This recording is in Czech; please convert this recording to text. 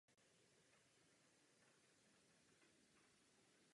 Každé patro budovy představuje jinou divadelní scénu.